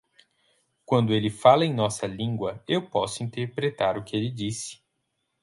Quando ele fala em nossa língua, eu posso interpretar o que ele disse.